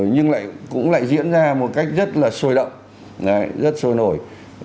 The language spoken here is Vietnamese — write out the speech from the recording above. nhưng lại cũng lại diễn ra một cách rất là sôi động rất sôi nổi